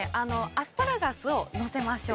アスパラガスをのせましょう。